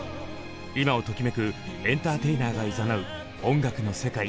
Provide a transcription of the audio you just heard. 今をときめくエンターテイナーが誘う音楽の世界。